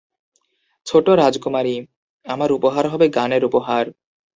ছোট্ট রাজকুমারী, আমার উপহার হবে গানের উপহার।